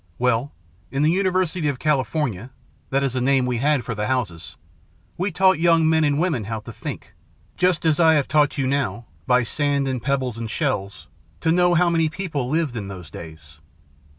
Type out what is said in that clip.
"Well, in the University of California that is the name we had for the houses we taught young men and women how to think, just as I have taught you now, by sand and pebbles and shells, to know how many people lived in those days.